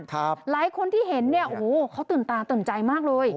หลายคนที่เห็นเขาตื่นตาตื่นใจมากเลย